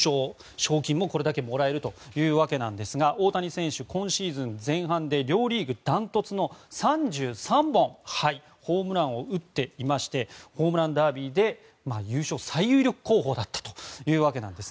賞金も、これだけもらえるというわけですが大谷選手、今シーズン前半で両リーグ断トツの３３本ホームランを打っていましてホームランダービーで優勝最有力候補だったというわけです。